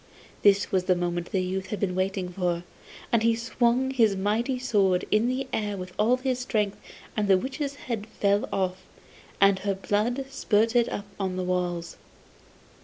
This was the moment the youth was waiting for, and he swung his mighty sword in the air with all his strength and the witch's head fell off, and her blood spurted up on the walls.